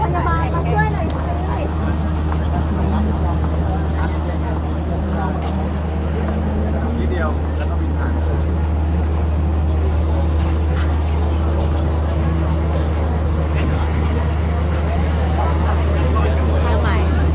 นี่ค่ะ